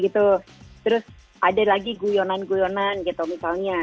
terus ada lagi guyonan guyonan gitu misalnya